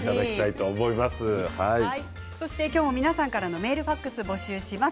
今日も皆さんからのメール、ファックスを募集します。